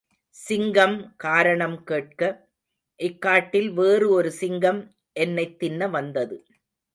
சிங்கம் காரணம் கேட்க, இக்காட்டில் வேறு ஒரு சிங்கம் என்னைத் தின்ன வந்தது.